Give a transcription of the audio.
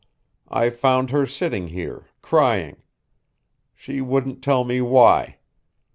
I found her sitting here, crying. She wouldn't tell me why.